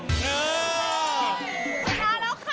ขอบคุณค่ะ